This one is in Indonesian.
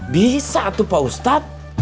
bisa tuh pak ustadz